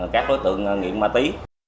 các đối tượng nghiện ma tí